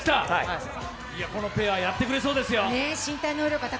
このペアやってくれそうですよ。